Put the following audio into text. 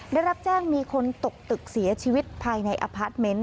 ได้รับแจ้งมีคนตกตึกเสียชีวิตภายในอพาร์ทเมนต์